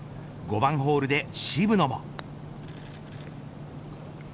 ５番ホールで渋野も。